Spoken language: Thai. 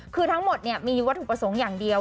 คือทั้งหมดมีวัตถุประสงค์อย่างเดียว